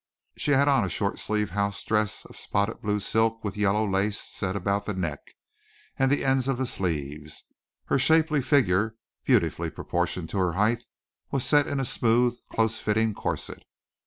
She had on a short sleeved house dress of spotted blue silk with yellow lace set about the neck and the ends of the sleeves. Her shapely figure, beautifully proportioned to her height, was set in a smooth, close fitting corset.